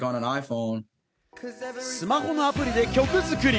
スマホのアプリで曲作り！